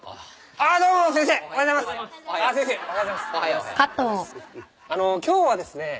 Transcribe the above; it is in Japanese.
あのう今日はですね